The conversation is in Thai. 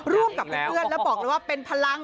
ร่วมกับเพื่อนแล้วบอกเลยว่าเป็นพลัง